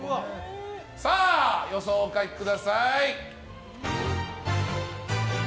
さあ、予想をお書きください。